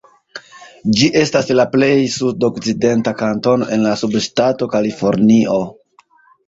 Ĝi estas la plej sudokcidenta kantono en la subŝtato Kalifornio.